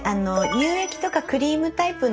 乳液とかクリームタイプのもの